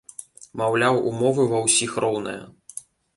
Маўляў, умовы ва ўсіх роўныя.